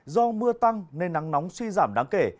do mưa tăng nên nắng nóng suy giảm đáng kể